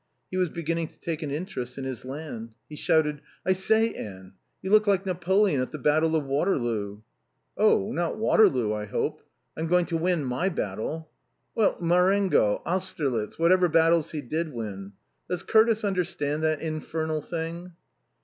He was beginning to take an interest in his land. He shouted: "I say, Anne, you look like Napoleon at the battle of Waterloo." "Oh, not Waterloo, I hope. I'm going to win my battle." "Well, Marengo Austerlitz whatever battles he did win. Does Curtis understand that infernal thing?"